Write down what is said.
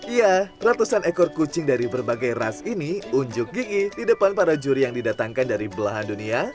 iya ratusan ekor kucing dari berbagai ras ini unjuk gigi di depan para juri yang didatangkan dari belahan dunia